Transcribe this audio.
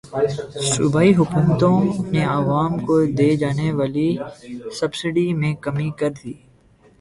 صوبائی حکومتوں نے عوام کو دی جانے والی سبسڈی میں کمی کردی